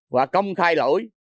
và công khai lỗi